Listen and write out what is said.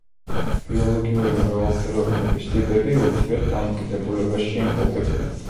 ბიოლოგიური მრავალფეროვნების ტიპები ურთიერთდამოკიდებულებაში იმყოფებიან.